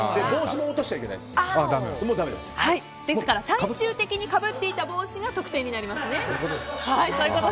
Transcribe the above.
最終的にかぶっていた帽子が得点になります。